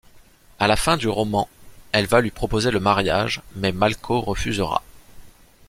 À la fin du roman, elle va lui proposer le mariage, mais Malko refusera.